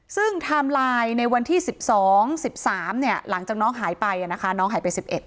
ซึ่งไทม์ไลน์ในวันที่๑๒๑๓หลังจากน้องหายไป๑๑